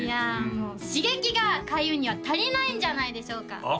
もう刺激が開運には足りないんじゃないでしょうか？